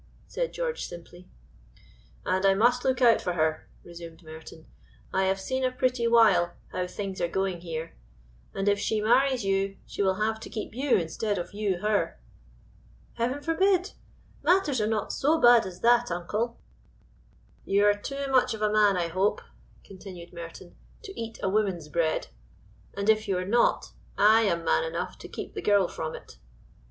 said George simply. "And I must look out for her," resumed Merton. "I have seen a pretty while how things are going here, and if she marries you she will have to keep you instead of you her." "Heaven forbid! Matters are not so bad as that, uncle." "You are too much of a man, I hope," continued Merton, "to eat a woman's bread; and if you are not, I am man enough to keep the girl from it."